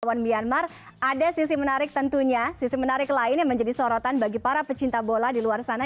ada sisi menarik tentunya sisi menarik lain yang menjadi sorotan bagi para pecinta bola di luar sana